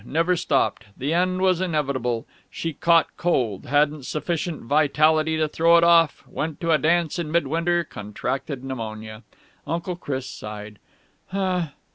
Never stopped. The end was inevitable. She caught cold, hadn't sufficient vitality to throw it off, went to a dance in mid winter, contracted pneumonia...." Uncle Chris sighed.